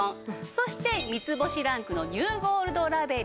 そして３つ星ランクのニューゴールドラベル。